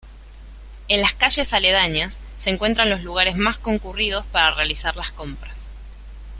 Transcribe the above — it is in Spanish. En las calles aledañas, se encuentran los lugares más concurridos para realizar las compras.